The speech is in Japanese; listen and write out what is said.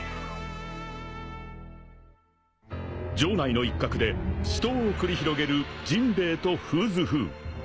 ［城内の一角で死闘を繰り広げるジンベエとフーズ・フー］